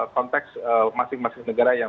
konteks masing masing negara yang